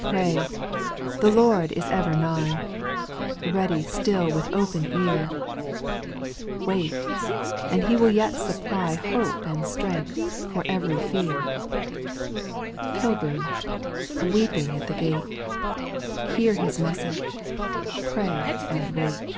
/ 2. ' Pray, the Lord is ever nigh, Ready still with open ear ; Wait — and He will yet supply Hope and strength, for every fear. Pilgrim, weeping at the gate. Hear His message —" Pray and wait."